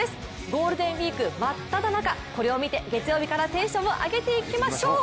ゴールデンウイーク真っただ中これを見て月曜日からテンションを上げていきましょう